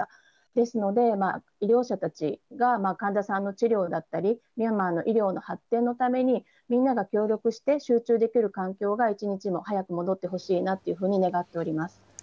ですので、医療者たちが患者さんの治療だったり、ミャンマーの医療の発展のために、みんなが協力して集中できる環境が一日も早く戻ってほしいなっていうふうに願っております。